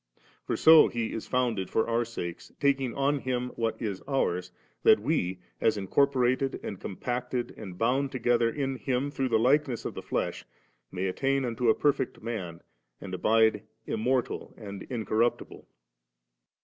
* For so He is founded for our sakes, taking on Him what is ours^ that we, as incorporated and compacted and bound to gether in Him through the likeness of the flesh, may attain unto a perfect man, and abide ' im mortal and incorruptible.